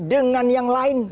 dengan yang lain